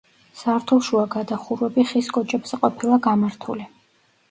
სართულშუა გადახურვები ხის კოჭებზე ყოფილა გამართული.